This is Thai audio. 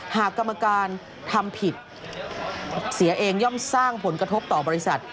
กรรมการทำผิดเสียเองย่อมสร้างผลกระทบต่อบริษัท